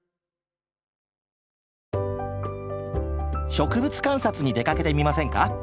植物観察に出かけてみませんか？